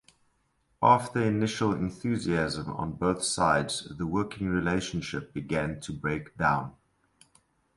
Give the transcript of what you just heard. After initial enthusiasm on both sides the working relationship began to break down.